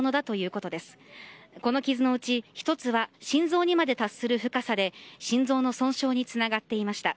この傷のうち１つは心臓にまで達する深さで心臓の損傷につながっていました。